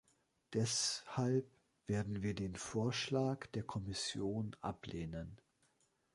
Deshalb werden wir den Vorschlag der Kommission ablehnen.